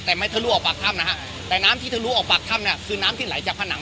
แต่ไม่ทะลุออกปากถ้ำนะฮะแต่น้ำที่ทะลุออกปากถ้ำเนี่ยคือน้ำที่ไหลจากผนัง